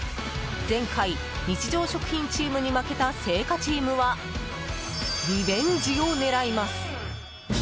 前回、日常食品チームに負けた青果チームはリベンジを狙います。